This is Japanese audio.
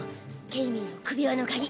ケイミーの首輪の鍵。